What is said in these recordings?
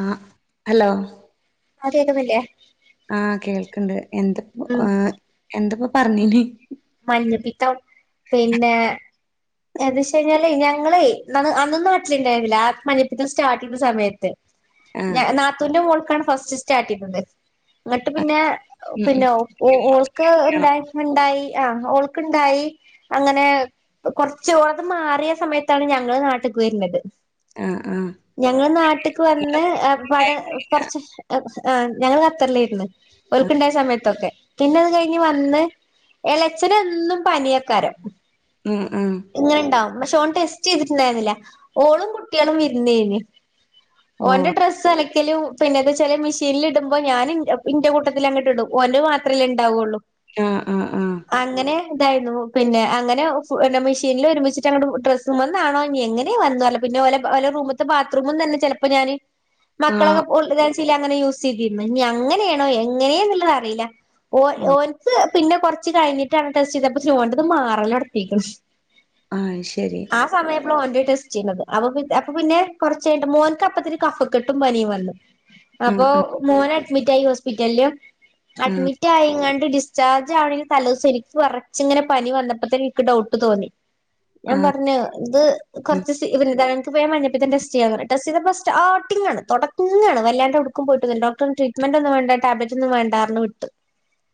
ആ ഹലോ ആ കേക്കുന്നില്ലേ? ആ കേൾക്കണ്ട് എന്ത്‌ ഉം ആ എന്ത്‌ പറഞ്ഞിന് മഞ്ഞപ്പിത്തം, പിന്നെ, എന്ന്വച്ചു കഴിഞ്ഞാല് ഞങ്ങളേ എന്താന്ന് അന്ന് നാട്ടിലിണ്ടായിരുന്നില്ല ആ മഞ്ഞപ്പിത്തം സ്റ്റാർട്ടെയ്യുന്ന സമയത്ത്. ആ ഞ നാത്തൂന്റെ മോൾ കണ് ഫസ്റ്റ് സ്റ്റാട്ട് ചെയ്യുന്നത് അന്നട്ട് പിന്നെ ഉം ഉം പിന്നെ ഓ ഓൾക്ക് ആണോ ഉണ്ടായിട് ണ്ടായി ആ ഓൾക്കുണ്ടായി അങ്ങനെ കുറച്ച് ഓൾക്ക് മാറിയ സമയത്താണ് ഞങ്ങള് നാട്ട്ക്ക് വരുന്നത്. ആ ആ ഞങ്ങള് നാട്ടക്ക് വന്ന് ആപ്പാട് കുറച്ച് ആ ഞങ്ങള് ഖത്തർലായിരുന്നു. ഓൾക്കിണ്ടായ സമയത്തൊക്കെ. പിന്നത് കഴിഞ്ഞ് വന്ന് ഇളേച്ചനെന്നും പനിയക്വരും ഉം ഉം പക്ഷെ ഓൻ ടെസ്റ്റ് ചെയ്തിട്ടുണ്ടായിരുന്നില്ല ഓളും കുട്ടികളും ഇരുന്നേന്. ഓ ഓന്റെ ഡ്രസ്സ് അല ക്കലും പിന്നെ അത് ചെല മെഷീനിൽ ഇടുമ്പോ ഞാനൻ ഇന്റെ കൂട്ടത്തിൽ അങ്ങോട്ടിടും ഓന്റെ മാത്രല്ലേണ്ടാവൊള്ളൂ ആ ആ ആ ഇതായിരുന്നു പിന്നെ അങ്ങനെ [unintelligible] ഇനിൽരുമിച്ചിട്ടാണ് അ ഡ്രസ്സുംമെന്നാണോ ഇനി എങ്ങനെ വന്നാലും പിന്നെ ഓലെ റൂമത്തെ ബാത്റൂമംന്നന്നെ ചിലപ്പോ ഞാന് ആ മക്കളൊക്കെ [unintelligible] അങ്ങനെ യൂസ് ചെയ്തിന്ന് ഇനി അങ്ങനെയാണോ എങ്ങനെന്നുള്ളത്റിയില്ല ഓ ഓൽക്ക് പിന്നെ കൊറച്ച് കഴിഞ്ഞിട്ടാണ് ടെസ്റ്റ് ചെയ്തപ്പ സ്റ്റോൺണ്ടത് മാറലൊട്ത്തിക്കണ്. ആ ശരി ആ സമയാപ്പള് ഓന്റെ ടെസ് ചെയ്യന്നത് അവൻപി അപ്പൊ പിന്നെ കുറച്ചഴിഞ്ഞിട്ട് മോൻക്കപ്പത്തിന് കഫക്കെട്ടും പനിയും വന്നു. ആ അപ്പൊ ആ മോനെ മിറ്റായി ഹോസ്പിറ്റലില് ആ അഡ്മിറ്റ് ആയിങ്ങണ് ഡിസ്ചാർജ് ആവണെന് തല ദിവസം എന്ക്ക് വെറച്ചിങ്ങനെ പനി വന്നപ്പോത്തന്നെ എനിക്ക് ഡൗട്ട് തോന്നി. ഞാൻ ആ പറഞ്ഞു ഇത് ഉം. കൊറച്ച് സീ [unintelligible] ഉപയോ [unintelligible] പിന്നെ ടെസ്റ്റ്‌ ചെയ്യാന്നു പറഞ്ഞു ടെസ്റ്റ്‌ ചെയ്തപ്പ സ്റ്റാർട്ടിങ്ങാണ് തുടക്ങ്ങാണ് വല്ലാണ്ട് ഏടുക്കും പോയിട്ടില്ല ഡോക്ടർ പറഞ്ഞു ട്രീറ്റ്മെന്റ് ഒന്നും വേണ്ട ടാബ്ലറ്റ് ഒന്നും വേണ്ടാന്ന് പറഞ്ഞ് വിട്ട്.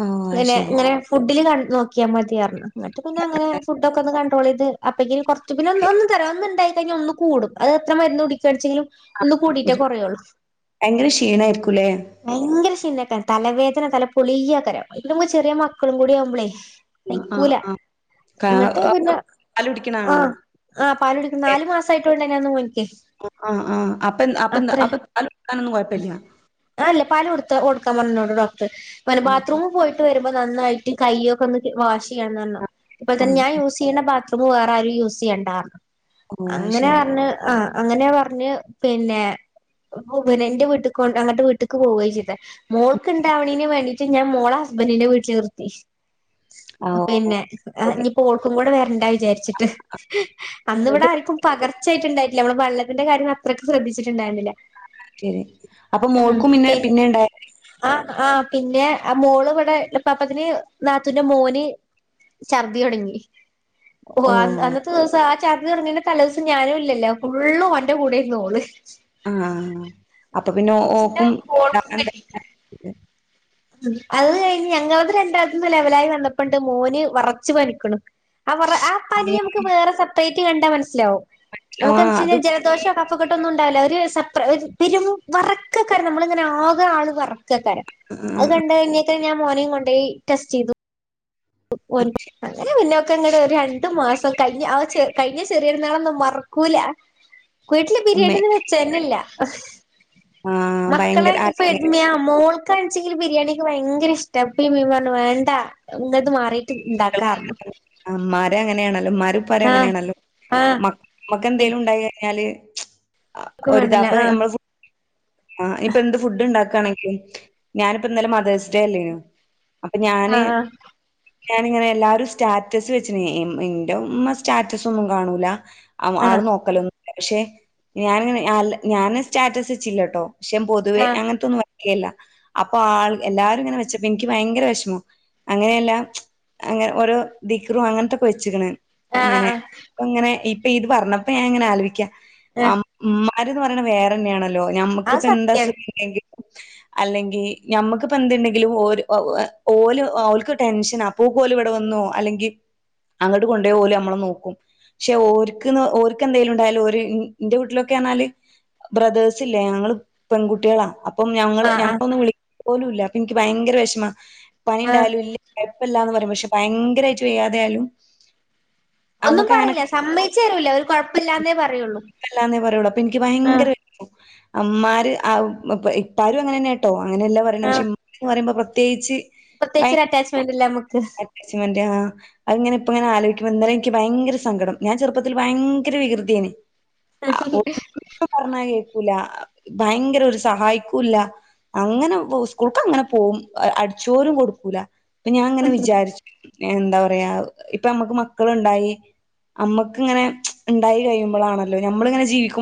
ഓ അത് അങ്ങനെ ശരി ഇങ്ങനെ ഫുഡില് ക നോ മൊ ചെയ്യാറുണ്ട് ന്നെട്ട് പിന്നെ അങ്ങനെ ഫുഡൊക്കെ ഒന്ന് ത് അപ്പോളേക്ക് കുറ [unintelligible] തരാംന്നണ്ടായി കഴിഞ്ഞ ഒന്ന് കൂടും അത് എത്ര മരുന്ന് കുടിക്കണ്‌ച്ചെങ്കിലും ഒന്ന് ആ, കൂടിട്ടേ ഒരു- കുറയുള്ളു ഭയങ്കര ക്ഷീണായിരിക്കൂല്ലേ ഭയങ്കര ക്ഷീണ തലവേദന തല പൊളിയാക്കാരം. അയ്ക്കൂടേ നമ്മുക്ക് ചെറിയ മക്കളും കൂടി ആവുമ്പളേ ആ ആഹ് സഹിക്കൂല ആ കാ ആ ആ പാല് കുടിക്ക നാല് മാസമായി [unintelligible] ആ ആ അപ്പ അപ്പ അത്ര അപ്പ പാല് കുടിക്കാനൊന്നും കൊഴപ്പല്ല അല്ല പാല് കൊടുത്ത കൊടുക്കാൻ പറഞ്ഞു ഡോക്ട ഓക്കെ ബാത്റൂമ് പോയിട്ട് വരു പൊ നന്നായിട്ട് കയ്യൊക്കെ ഒന്ന് വാഷ് ന്ന് പറഞ്ഞു. ഇപ്പോ ആ തന്ന് ഞാൻ യൂസ് ചെയ്യണ ബാത്ത് അത് പൊ വേറെ ആരും യൂസ് ചെയ്യണ്ടാ ഓ അത് അങ്ങനെ ശരി പറഞ് ആ അങ്ങനെ പറഞ്ഞ് പിന്നെ പ് ന്റെ വീട്ടിക്ക് കൊ അങ്ങട്ട് വീട്ടിക്ക് പോവ ചെയ്തെ. മോൾക്ക്ണ്ടാവണീന് വേണ്ടി ഞാൻ മോളെ ഹസ്ബൻറിന്റെ വീട്ടിൽ നിർത്തി. ആ ഓ പിന്നെ ശരി ഇനിപ്പോ ഓൾക്കും കൂടെ വരണ്ട. വിചാരിച്ചിട്ട് അന്നിവിടെ ആരിക്കും പകർ വച്ചായിട്ടുണ്ടായില്ല നമ്മള് വള്ളത്തിന്റെ കാര്യ അത്രക്കെ ശ്രദ്ധിച്ചട്ടുണ്ടായിരു ന്നില്ല ആ ശരി അപ്പൊ മോൾക്കും പിന്നെ പിന്നെണ്ടായ ആ പിന്നെ ആ മോള് ഇവിടെള്ള പാപ്പത്തിന് നാത്തന്റെ മോന് ഛർദി തുടങ്ങി ഓ അന്നത്തെ ദിവസം ആ ച അത് തുടങ്ങിന്റെ തലിവസം ഞാനും ഇല്ലോ ഫുള് ഓന്റെ കൂടെന്ന് നോു ആഅപ്പൊ പിന്നെ ഓക്കും ഓൾക്കും കിട്ടി അത് കഴിഞ്ഞ് ഞങ്ങളത് രണ്ടാത്തന്ന് ലെവലായി വന്നപ്പോണ്ട് മോന് വെറച്ച് പനിക്കണം ആ ആ പനി ആഹ് നമുക്ക് വേറെ സെപ്പറേറ്റ് കണ്ട മനസിലാവും നമുക്ക് യാതാന് വെച്ചാ അത് ൽ ജലദോഷ കഫക്കെട്ട് ഒന്നുമുണ്ടാവില്ല സെരു വറക്കക്ക നമ്മളിങ്ങനെ ആകെ ആള് വിറക്കും [unintelligible] ക്കക്കാരം അതുകണ്ട് കഴിഞ്ഞേക്കണ്ട് [unintelligible] ഞാൻ മോനെ കൊണ്ടേയി ടെസ്റ്റ് ചെയ്തു അങ്ങനെ പിന്നെ ഒക്കെ ഇങ്ങട് ഒരു രണ്ടു മാസം കഴിഞ്ഞ് ആ ചെ കഴിഞ്ഞ ചെറിയ പെരുന്നാ [unintelligible] നാളൊന്നും മറക്കൂല വീട്ടില് ഉമ്മ ബിരിയാണിന്ന് വെച്ചെന്നെ ഇല്ല ആഹ് മക്കളെ ഭയങ്കര ഇപ്പോ എ മോൾ [unintelligible] കഴിച്ചിങ്കില് ബിരിയാണി നിക്ക് വയങ്കര ഇഷ്ട്ടാ ഇപ്പേം ഉമ്മയും പറഞ്ഞ് വേണ്ടാ ഇങ്ങൾക്ക് മാറിയിട്ട് ഉമ്മാര അങ്ങനെയാണല്ലോ [unintelligible] ഉമ്മാരും ഉപ്പാരും ആഹ് അങ്ങനെയാണല്ലോ ആഹ് മക്ക് ഇമ്മക്ക് എന്തെലും ഉണ്ടായി കഴിഞ്ഞേഞ്ഞാൽ [unintelligible] ഇൻക്കും ഒരു താ വേണ്ടല്ലേ അപ്പോ ആഹ് നമ്മള് ഫുഡ് ഇപ്പൊ എന്ത് ഫുഡ് ഉണ്ടാക്ക ഞാനിപ്പം ഇന്നലെ മദേഴ്സ് ഡേ അല്ലേനോ അപ്പഞാന് ആഹ് ഞാനിങ്ങനെ എല്ലാരും സ്റ്റാറ്റസ് വെച്ചിന് ന്റെ ഉമ്മ സ്റ്റാറ്റസ് ഒന്നും കാണൂല ആ ആഹ് ആള് നോക്കല്ലൊന്ന് പക്ഷെ ഞാനങ്ങനെ അല്ല ഞാനും സ്റ്റാറ്റസ് വെച്ചില്ലാട്ടോ പക്ഷെ പൊതുവെ ആഹ് അങ്ങനെത്തൊന്നും വെക്ക എല്ല അപ്പൊ ആൾ എല്ലാരും ഇങ്ങനെ വെച്ചപ്പോ എനിക്ക് ഭയങ്കര വെഷ്മം അങ്ങനെയെല്ല അങ്ങനെ ഓരോ ദിക്റും അങ്ങനെത്തൊക്കെ വെച്ച്ക്ക്ണ് ആഹ് അങ്ങനെ ആഹ് ഇപ്പയങ്ങനെ ഈ ഇത് പറഞ്ഞപ്പോ ഞാങ്ങിനെ ആലോയിക്ക ആ ആഹ് ഉമ്മ [unintelligible] ന്ന് പറയുന്നത് വേറെന്നെയാണല്ലോ അത് നമുക്കിപ്പം എന്താസു [unintelligible] സത്യാണ് ല്ലങ്കിൽ അല്ലെങ്കിൽ ഞമ്മക്കിപ്പോ എന്ത്ണ്ടെങ്കിലും ഓര് ഓല് ഓൽക്ക് ടെൻഷനാ പൂ പോൽ ഇവിടെ വന്നു അല്ലെങ്കിൽ അങ്ങോട്ട് കൊണ്ടോയി ഓല് നമ്മളെ നോക്കും പക്ഷെ ഓര്ക്ക് ഓര്ക്ക് എന്തെലും ഉണ്ടായാൽ ഓര് ന്റെ വീട്ടിലൊക്കെന്നാല് ബ്രദേഴ്സ് ഇല്ല ഞങ്ങൾ പെൺകുട്ടിയാളാ അപ്പം ഞങ്ങള് ആഹ് ആഹ് ഞങ്ങളൊന്ന് വിളി പോലൂല്ല അപ്പം എനിക്ക് ഭയങ്കര വെഷ്മ ആഹ് പണിണ്ടായാലും ഇല്ല ഇല്ലാന്ന് പറയും പക്ഷെ ഭയൻ ഭയങ്കരായിട്ട് വയ്യാതായാലും ഒന്നും പറയില്ല സമ്മതിച്ച് തരൂല്ല ഒരു കൊഴപ്പില്ലാന്നേ പറയുള്ളൂ കുഴപ്പല്ലാന്നേ പറയുള്ളൂ അപ്പൊ എനിക്ക് ഹാ ഭയങ്കര വിഷമാ അമ്മാര് ഇപ്പാരും അങ്ങനെന്നെയാട്ടോ അങ്ങനെല്ല പറയണം പക്ഷെ ഇ എന്ന് പറയുമ്പോ തേജി പ്രത്യേച്ചിും അറ്റാച്ച്മെന്റ്ല്ലക്ക് അച്ച മ ആഹ അ ഇങ്ങനെ ഇപ്പ ഇങ്ങനെ ആലോചിക്ക്പോ ഇന്നാലം എനിക്ക് ഭയങ്കര സങ്കടം ഞാൻ ചെറുപ്പൽ ഭയങ്കര വികൃതിയന് ആ പറഞ്ഞാ കേക്കൂല ഭയങ്കര ഒരു സഹായിക്കൂല്ല അങ്ങനെ സ്കൂൾക്ക് അങ്ങനെ പോകും അടിച്ചോരും കൊടുക്കൂല അപ്പഞാങ്ങനെ ജർജ എന്താ പറയാ ഇപ്പൊ നമ്മക്ക് മക്കളുണ്ടായി അമ്മക്ക ഇങ്ങനെ ഉണ്ടായി കഴിയുമ്പോൾാണല്ലോ നഞമ്മളിങ്ങനെ ജീവിക്ക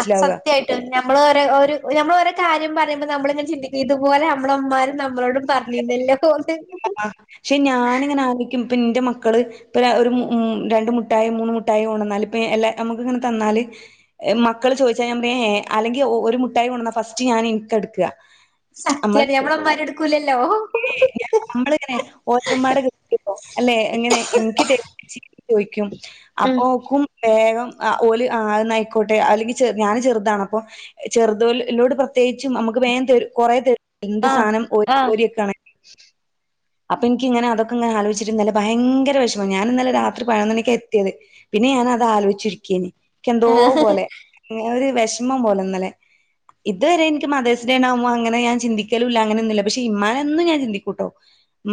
ആ സത്യായിട്ട് നമ്മള് ര നമ്മൾ ഒരേ കാര്യം പറ നമ്മള ഇങ്ങന ചിന് ഇതുപലെ നമ്മമാും നമ്മളോട് പറഞ്ഞി പക്ഷെ ഞാനിങ്ങനെ ആയിക്കും ഇപ്പൊ നിന്റെ മക്കള് ഇപ്പൊ ഒരു രണ്ട മുട്ടായോ മൂന്ന് മുട്ടായോ കൊണന്നാൽ ഇപ്പ എല്ലാ നമുക്ക് ഇങ്ങനെ തന്നാല് മക്കള് ചോദിച്ചാൽ ഞാൻ പറയാഏ അല്ലെങ്കിൽ ഒരു മുട്ടായി കൊണന്നാൽ ഫസ്റ്റ് ഞാൻ എനിക്ക എടുക്കുക സത്യ നഞമ്മുടെ അമാര എടുക്കൂലല്ലോ നമ്മളിങ്ങനെ ഓത കട്ട അല്ലെ എങ്ങനെ എനിക്ക് ത ചോദിക്കും ഉം അപ്പക്കും വേഗം ഓല ആന്ന ആയിക്കോട്ടെ അല്ലെങ്കിൽെ ഞാാന് ചെറുതാണ് അപ്പ ചെറുതോലോട് പ്രത്യേകിച്ചും നമുക്ക് വേ കൊറ എന്ത് ആഹ് സാധനം ഓ ആഹ് രിയ ഒക്കെ ആണ [inaudible] അപ്പൊ എനിക്ക് ഇങ്ങനെ അതൊക്കെങ്ങനെ ആലോചിുന്നില്ല ഭയങ്കര വിഷമ - ഞാന ഇന്നലെത്രി പതിനൊന്നണക്ക് കിയത് പിന്നെ ഞാാന അത് ആലോചിച്ചിരിക്കേന് ന്തോ പോലെ ഒരു- വിഷമം പോലെന്നല്ലെ ഇതുവരെ എനിക്ക് മേഴ്സ് ഡേണ്ടാവുമ്പോ അങ്ങനെ ഞാൻ ചിന്തിക്കലില്ലല്ല അങ്ങനെയന്നില്ല പക്ഷെ ഇമാനൊും ഞാൻ ചിന്ക്കൂട്ടോ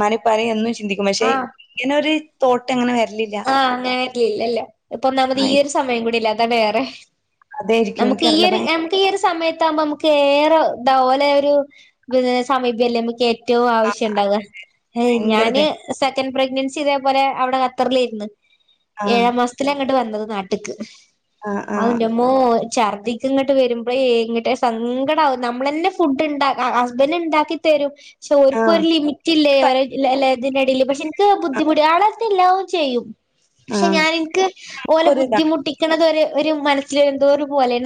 മരെ പറയ എന്ന- ചിന്തിക്കുമ മക്ഷേ ആഹ് നൊരു- തോട്ട എങ്ങനെത്തും ആഹ് അങ്ങനെരില്ലല്ലേ ഇപ്പൊ നാമത് ആ ഈ ഇപ്പ ഒരു സമയം കൂടി എന്താ വേറെ അതായിരിക്കും നമുക്ക് ഈ എനിക്കറിയില്ല ഒരു ഭയ നമുക്ക് ഈ ഒരു സമയത്ത ആകുമ്പോ ഏറെ ഇതുപോലെ ഒരു സമീപല്ലേ കേ- ഏറ്റവും ആവശ്യംുണ്ടാവ ഭയങ്കര ഞാന് ഇത് ദെൻ പ്രെഗ്നൻസി ഇതേപോലെ അവിടെ- ത്തറിലായിരിന്ന് [inaudible] ആഹ് ഏഴാം മാസത്തില ഇങ്ങോട്ട്‌ വന്നത് നാട്ട്ക്ക് ആഹ് ആഹ് അതിന്റമ്മോ ഛർദ്ദിക്ക് ഇങ്ങോട്ട് വരുമ്പോയെ എങ്ങിട്ടെ സങ്കടമാവും നമ്മളന്നെ ഫുഡ് ഉണ്ടാക്ക ഹസ്ബൻഡ് ഉണ്ടാക്കി തരും- പക്ഷെ ഓർക്കും ഒരു ആഹ് ലിമിറ്റില്ലേ ല്ലേ ഇതിടിയില് പക്ഷെ എനിക്ക് ബുദ്ധിമുട്ട ആളടുത്തില്ല. ചെയ്യും പക്ഷെ ആഹ് ഞാൻ എനിക്ക് ഓലെ എനിക്കൊരു ഇതാണ് ബുദ്ധിമുട്ടിക്കുണത് ഒരു- ഒരു മനസ്സിൽ ഒരു എന്തൊരു പോലെ-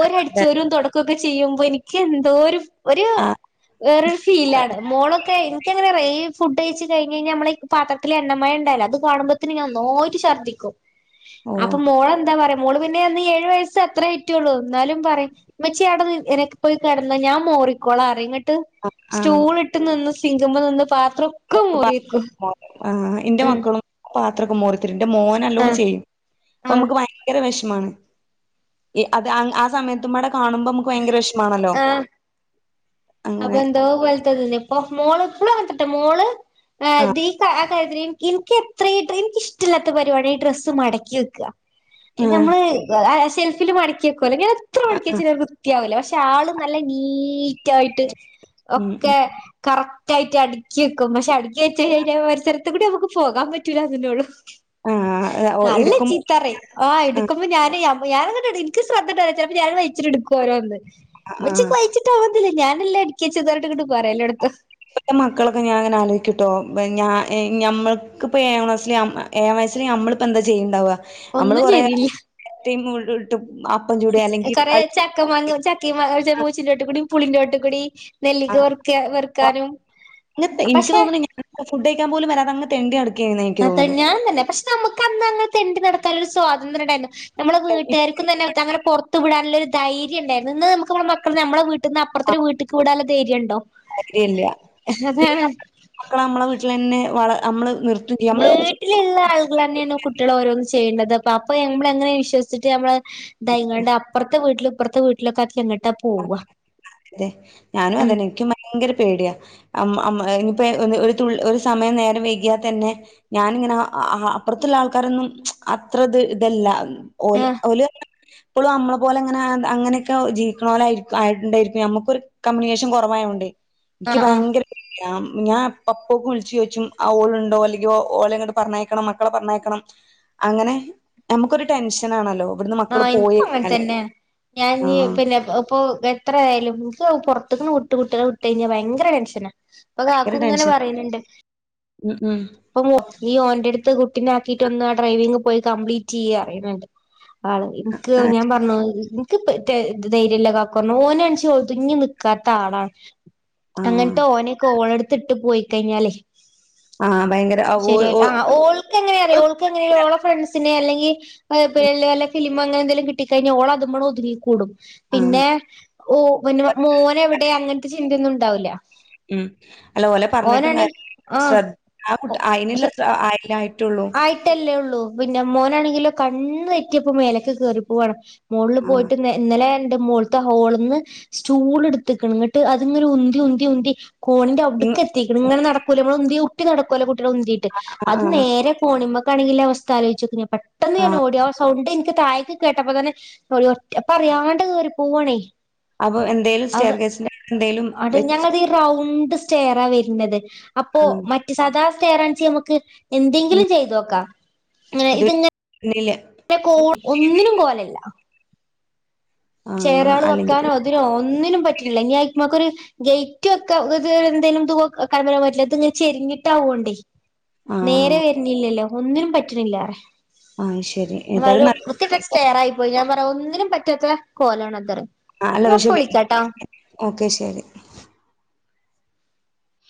ഓരടിച്ചു അതെ ഓരു തുടക്കും ക്കെ ചെയ്യുമ്പോ എനിക്ക് എന്തോ ഒരു- ഒരു ആഹ് വേറൊരു ഫീലാണ് മോളൊക്കെ എനിക്കങ്ങനെ റെയർ ഫുഡ് കഴിച്ച്- കഴിഞ് കഴിഞ്ഞ നമ്മള ഈ പാത്രത്തില് എണ്ണമയം ഉണ്ടാവല്ലോ അത്- കാണുമ്പോ തന്നെ ഞാൻ ന്നായിട് ഛർദ്ദിക്കും. അപ്പൊ ഓഹ് മോൾ എന്താ പറയും? മോള് പിന്നെ അന്ന് ഏഴു വയസ് അത്രേ ആയിട്ടുള്ളൂ എന്നാലും പറയും ഉമ്മച്ചി അവിടുന്ന് എനീക് പോയി കിടന്നോ ഞാൻ മോറിക്കോളാം ന്നുപറയും ന്നിട്ട് സ്റ്റൂൾ ഇട്ട് നിന്ന് സിങ്കുമേ നിന്ന് പാ [unintelligible] ആ എന്റെ ഉം മക്കളും. പാത്രൊക്കെ മോറിത്തരും ന്റെ മോൻ നല്ലൊലെ ആഹ് ചെയ്യും അപ്പൊ ആഹ് നമുക്ക് ഭയങ്കര വിഷമമാണ് അത് ആ സമയത്തുമ്മാടെ- കാണുമ്പോ നമുക്ക് ഭയങ്കര വിഷമമാണല്ലോ അതെന്തോപോലത്തതല്ലേ? ഓ മോള് എപ്പളു അങ്ങനത്തട്ടെ മോള് ആഹ് ദീക്ക ഏഹ് ഈ കാര്യത്തില്, എനിക്ക് എത്രായിട്ടു എനിക്ക് ഇഷ്ടില്ലാത്ത പരിപാടിയാ ഈ ഡ്രസ്സ് മടക്കി വെക്കാ. ആഹ് നമ്മള് ആ ഷെൽഫ് ഫില് മടക്കി വെക്കു ചെലത് ഞാന് എത്ര മടക്കിവച്ചാലും വൃത്തിയാവില്ല. പക്ഷെ ത്താള് നല്ല നീറ്റായി ട്ട് ഉം ഉം ഒക്കെ കറക് റ്റായിട്ട് അടുക്കി വെക്കും പക്ഷെ അടുക്കി ടക്കിവച്ചു കഴിഞ്ഞാ പരിസരത് അതികൂടെ നമക്ക് പോകാൻ പറ്റൂലാന്നല്ലേ ഉള്ളു. ആഹ് ഓ നല്ല എടുക്കും ചീത്ത പറയും. ആ ആഹ് എടുക്കുമ്പ ഞാനേ അ ഞാൻ എന്നിട്ട് എനിക്ക് ശ്രദ്ധയുണ്ടാവുല്ല. ചെലപ്പോ ഞാന് ഇച്ചിരി എടുക്കും ഓരോന്ന്‌ ഉമ്മച്ചി ആഹ് കൊയിച്ചട്ട് ആവന്നില്ല നല്ലേ അടക്കി വച്ചത് പറഞ്ഞിട്ട് എന്നിട്ട് പറയല്ലേ എടുത്ത് ഇപ്പത്ത മക്കളൊക്കെ ഞാനിങ്ങനെ ആലോചിക്ക്ട്ടോ, ഞാ ഏ ഞമ്മക്ക് ഇപ്പ ഏഴാം ക്ലാസ്സില് ഏഴാം ക്ലാസ്സില് ഞമ്മളിപ്പ എന്താ ചെയ്യണ്ടാവാ? നമ്മള് ഒന്നും കൊറെ ശരിയില്ല [unintelligible] കിട്ടും കൊറേ ചക്ക മാങ്ങ ചക്കേം മാ [unintelligible] പുളിഞ്ചോട്ടു കൂടി ആ നെല്ലിക്ക വെറുക്ക ആ. വെറുക്കാനും എനിക്ക് പക്ഷെ തോന്നണ് ഇങ്ങനത്തെ ഫുഡ് കഴിക്കാൻ പോലും വരാതേ അങ്ങ് തെണ്ടി നടക്കെ അതെ ഞാൻ തന്നെ. പക്ഷെ നമുക്ക് അന്നങ്ങനെ തെണ്ടി നടക് ക്കാൻ ഒരു സ്വാതന്ത്ര്യണ്ടായിര്ന്നു. നമ്മളെ വീട്ട്കാർക്കും തന്നെ അങ്ങനെ പൊറത്ത് വിടാന്ള്ള ഒരു ധൈര്യണ്ടായിര്ന്നു. ഇന്ന് മ്മക്ക് നമ്മടെ മക്കൾ നമ്മളെ വീട്ടി ട്ട്ന്ന് അപ്പറത്തൊരു വീട്ടിക്ക് വിടാനുള്ള ധൈര്യണ്ടോ? കാര്യല്ല അതാണ് പിന്നെ നമ്മള് മക്കളെ നമ്മളെ വീട്ടിലന്നെ വള നമ്മള് നിർത്തും ചെയ്യ നമ്മള് വീട്ടില്ള്ള ആള്കളന്നെയാണ് കുട്ടികളെ ഓരോന്ന് ചെ ചെയ്യണത്. അപ്പ അപ്പ നമ്മള് എങ്ങനെ വിശ്വസിച്ചിട്ട് നമ്മള് ദാ ഇങ്ങാണ്ട് അപ്പറത്തെ വീട്ടില് പ്പർത്തെ വീട്ടിലൊക്കെ ആക്കിയങ്ങട്ട് അതെ ഞാനും ഉം അതന്നെ എനിക്ക് ഭയങ്കര പേടിയാ അമ്മ ഇപ്പ ഒരു തുള് ഒരു സമയം നേരം വൈകിയാല്തന്നെ ഞാൻ ഇങ്ങനെ അപത്ത് ഉള്ള ആൾക്കാരോന്നും അത്ര ഇത് ഇതല്ല ആഹ് [unintelligible] ഇപ്പോളും നമ്മള പോലെ അങ്ങനെ അങ്ങനെയൊക്കെ ജീ വിക്കണെപ്പോലെ [unintelligible] നമുക്കൊരു കമ്മ്യൂണിക്കേഷൻ കുറവായോണ്ടേ എനിക്ക് ആഹ് ആഹ് ഭയങ്കര പേടിയാ ഞാൻ അപ്പപോ വിളിച്ച് ചോയിച്ചും [unintelligible] അലെങ്കി മോൾ അങ്ങോട് പറഞ്ഞേക്കണം മക്കളെ പറഞ്ഞേക്കണം അങ്ങനെ നമ്മക്ക് ഒരു ടെൻഷൻ ആണല്ലോ ആഹ് എനിക്കും അങ്ങനെ തന്നെയാണ് ഞാൻ ഇനി ആഹ് പിന്നെ ഇപ്പൊ എത്രയായാലും ഇപ്പൊ പുറത്തന്ന് കുട്ട് കുട്ടികളെ വിട്ട് കഴിഞ്ഞാ ഭയങ്കര ടെൻഷനാ ഇപ്പ ഭയങ്കര കാക്കും ഇങ്ങനെ ടെൻഷൻ പറയുന്നുണ്ട് ഉം ഉം അപ്പൊ നീ ഓന്റെ അടു ത്ത് കുട്ടിനെ ആക്കിയിട്ട ഒന്ന് ആ ഡ്രൈവിംഗ പോയി കംപ്ലീറ്റ് ചെയ്യ് ആണ് എനിക്ക് ആഹ് ഞാൻ പറഞ്ഞു എനിക്ക് പ ഏ ത് ധൈര്യല്ല കാക്കോ ഓനാണ്ച ഒതുങ്ങി നിക്കാത്ത ആളാണ് ആഹ് അങ്ങനത്തെ ഓനക്കെ ഓളെട്ത് ഇട്ട് പോയിക്കഴിഞ്ഞാലേ ആഹ് ഭയങ്കര ആ ഓ ശരിയ ഓ ആ ഓൾക്ക് എങ്ങനെ അറിയോ ഓൾക് എങ്ങനെയ ഓള ഫ്രണ്ട്സിനെ അല്ലെങ്കി [unintelligible] [unintelligible] ഫിലിമൊ അങ്ങനെന്തെലും കിട്ടി കയ്ഞ്ഞ ഓള് അതുമ്മണ് ഒതുങ്ങികൂടും ആഹ് പിന്നെ ഓ പിന്നെ മോന് എവിടെ അങ്ങനത്തെ ചിന്തന്നുണ്ടാ ണ്ടാവൂല ഉം അല്ലഓലെ പറഞ്ഞിട്ടും കാര്യല്ല ആ ശ്രദ്ധ ആ കുട്ടി അയിനുള്ള പറയല്ലേ ആയി ആയിട്ടല്ലേ ഉള്ളൂ പിന്നെ മോനാണെങ്കിലോ കണ്ണു തെറ്റിയാപ്പൊ മേലക്ക് കേറി പോവാണ് മോളില് ആഹ് പോയിട്ട് ന്ന് ഇന്നലെ മോള്ത്തെ ഹോള്ന്ന് സ്റ്റൂൾ എടുത്ത്ക്ക്ണ് ഇങ്ങിട്ട് അത്ങ്ങെനെ ഉന്തി ഉന്തി ഉന്തി കോണിന്റെ അവിടക്കെത്തിക്ണ് ഇങ്ങനെ നടക്കൂലെ നമ്മള് ഉന്ത്യ കുട്ടി നടക്കോലോ കു ഉന്തീട്ട് അത് ആഹ് നേരെ കോണിമ്മക്കാണെങ്കില് ള്ള അവസ്ഥ ആലോയ്ച്ചോക് പെട്ടെന്ന് ഞാൻ ആഹ് ഓടി ആ സൗണ്ട് ഇന്ക് തായെക് കേട്ടപ്പ തന്നെ [unintelligible] അപ്പറിയാണ്ട് കേറി പൂവാണേ അപ്പൊ എന്തേലും സ്റ്റെയർകേസിന്റെ എന്തേലും വെച് ചേറാ വരുന്നത് ചെ അപ്പൊ മറ്റ് സാദാ [unintelligible] ഞമ്മക് ഉം എന്തെങ്കിലും ഒക്ക [unintelligible] കോൾ ഒന്നിനും കോലല്ല ആഹ് ചേരാള് അല്ലെങ്കിൽ വെക്കാനോ ഇതിനോ ഒന്നിനും പറ്റ്ണില്ല ഇനി അയ്മക്കൊരു ഗെയ്റ്റ് വെക്ക ഒരു എന്തേലും [unintelligible] ഇത്‌ങ്ങനെ ചെരിഞ്ഞിട്ടാവോണ്ടേ നേരെ ആഹ് വരുന്ല്ലല്ലോ ഒന്നിനും പറ്റ്ണില്ല ആഹ് ശരി ഏതായാലും ന്നാലും നല്ല വ്യത്തികേട്ട സ്റ്റെയ്യറായി പോയി ഞാൻ പറയാ ഒന്നിനും പറ്റ് റ്റത്തെ കോലാണത്രെ ആ അല്ല ഷ [unintelligible] ഓക്കെ ശെ [unintelligible]